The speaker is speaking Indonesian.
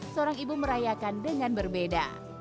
seorang ibu merayakan dengan berbeda